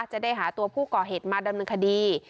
จะได้หาตัวผู้ก่อเหตุมาดำเนินคดี